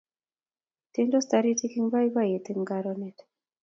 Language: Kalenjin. Tiendos Taritik eng boiboiyet eng karonet